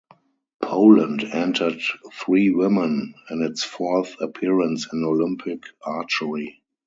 Poland entered three women in its fourth appearance in Olympic archery.